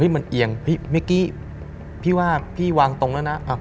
มันเอียงเมื่อกี้พี่ว่าพี่วางตรงแล้วนะ